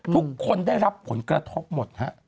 ทุกคนได้รับผลกระทบหมดฮะ